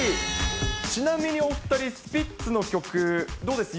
ちなみにお２人、スピッツの曲、どうです？